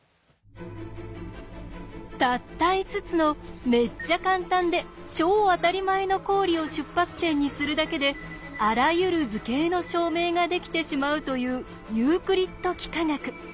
たった５つのめっちゃカンタンで超あたりまえの公理を出発点にするだけであらゆる図形の証明ができてしまうというユークリッド幾何学。